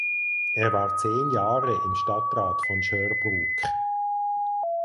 Er war zehn Jahre im Stadtrat von Sherbrooke.